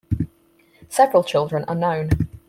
Several children are known.